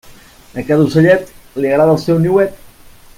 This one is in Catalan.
A cada ocellet li agrada el seu niuet.